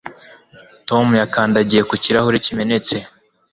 Tom yakandagiye ku kirahure kimenetse